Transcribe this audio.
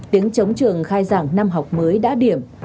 tiếng chống trường khai giảng năm học mới đã điểm